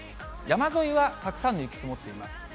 山沿いはたくさんの雪、積もっています。